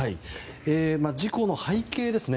事故の背景ですね